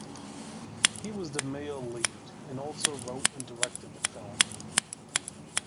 He was the male lead and also wrote and directed the film.